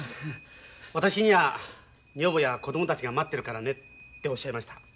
「私には女房や子供たちが待ってるからね」っておっしゃいました。